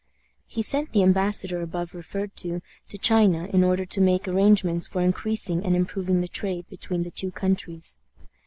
He sent the embassador above referred to to China in order to make arrangements for increasing and improving the trade between the two countries.